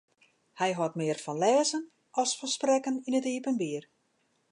Hy hâldt mear fan lêzen as fan sprekken yn it iepenbier.